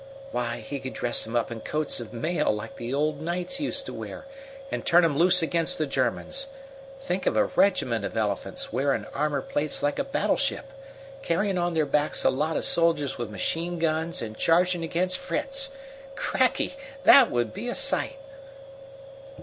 "Why, he could dress 'em up in coats of mail, like the old knights used to wear, and turn 'em loose against the Germans. Think of a regiment of elephants, wearin' armor plates like a battleship, carryin' on their backs a lot of soldiers with machine guns and chargin' against Fritz! Cracky, that would be a sight!"